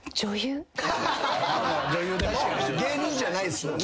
芸人じゃないっすもんね。